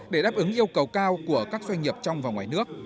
để đáp ứng yêu cầu cao của các doanh nghiệp trong và ngoài nước